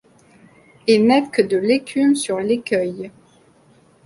Et n'êtes que de l'écume sur l'écueil